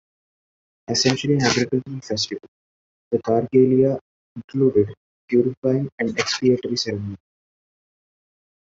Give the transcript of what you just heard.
Essentially an agricultural festival, the Thargelia included a purifying and expiatory ceremony.